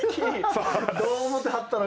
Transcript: どう思ってはったのか。